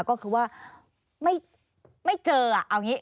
ก็คือว่าไม่เจอเอาอย่างนี้